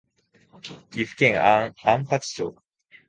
岐阜県安八町